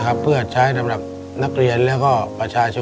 ในแคมเปญพิเศษเกมต่อชีวิตโรงเรียนของหนู